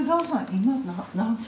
今何歳？